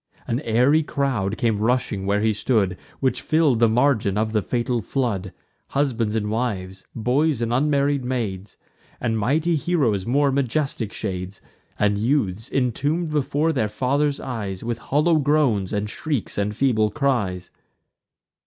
An airy crowd came rushing where he stood, Which fill'd the margin of the fatal flood: Husbands and wives, boys and unmarried maids, And mighty heroes' more majestic shades, And youths, intomb'd before their fathers' eyes, With hollow groans, and shrieks, and feeble cries.